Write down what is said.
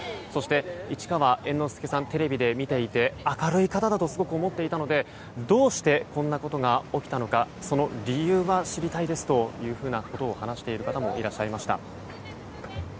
市川猿之助さんをテレビで見ていて明るい方だとすごく思っていたのでどうしてこんなことが起きたのかその理由が知りたいですと話している方もいらっしゃいました。